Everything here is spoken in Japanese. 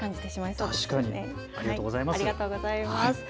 ありがとうございます。